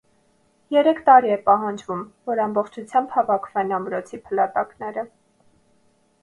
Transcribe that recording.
Երեք տարի է պահանջվում, որ ամբողջությամբ հավաքվեն ամրոցի փլատակները։